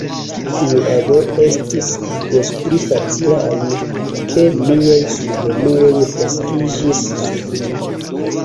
Tiu ago estis des pli facila al mi, ke miaj subgenuoj fleksiĝis sub mi.